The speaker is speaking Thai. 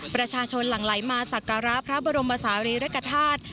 ประชาชนหลังไหลมาสักกราภพระบรมศาลิริกธาตุ